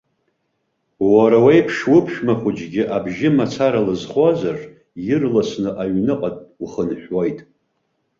Уара уеиԥш уԥшәма хәыҷгьы абжьы мацара лызхозар, ирласны аҩныҟа ухынҳәуеит.